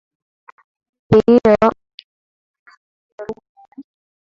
hadhi hiyo lugha ya Kiingereza iliyo lugha ya